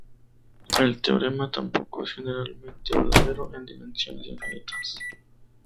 El teorema tampoco es generalmente verdadero en dimensiones infinitas.